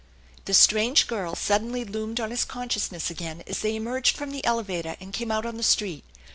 The strange girl suddenly loomed on his consciousness again as they emerged from the elevator and came out on the street.